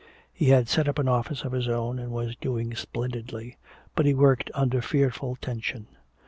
He had set up an office of his own and was doing splendidly. But he worked under fearful tension.